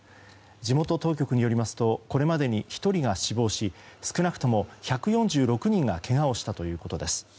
地元当局によりますとこれまでに１人が死亡し少なくとも１４６人がけがをしたということです。